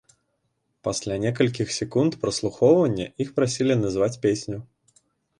Пасля некалькіх секунд праслухоўвання іх прасілі назваць песню.